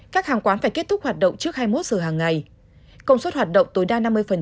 các hàng quán phải kết thúc hoạt động trước hai mươi một giờ hàng ngày công suất hoạt động tối đa năm mươi